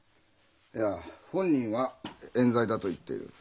いや本人は冤罪だと言っている。